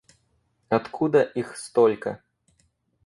Откуда их столько?